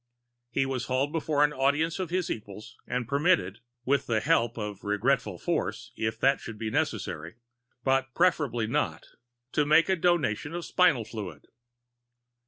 He was hauled before an audience of his equals and permitted with the help of regretful force, if that should be necessary, but preferably not to make the Donation of Spinal Fluid.